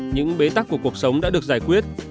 những bế tắc của cuộc sống đã được giải quyết